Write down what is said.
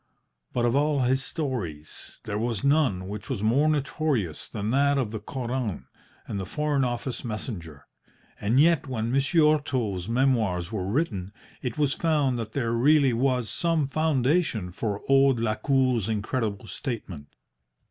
But of all his stories there was none which was more notorious than that of the Koran and the Foreign Office messenger. And yet when Monsieur Otto's memoirs were written it was found that there really was some foundation for old Lacour's incredible statement.